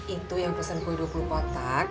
itu yang pesen kuiduk lu potak